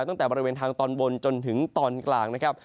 ตั้งแต่บริเวณทางตอนบนจนถึงตอนกลางนะครับ